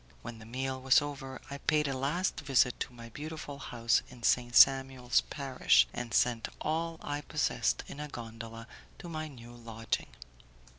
When the meal was over, I paid a last visit to my beautiful house in Saint Samuel's parish, and sent all I possessed in a gondola to my new lodging.